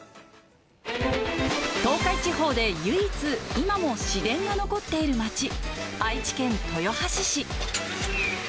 東海地方で唯一、今も市電が残っている街、愛知県豊橋市。